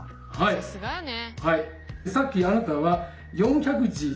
さすがやね。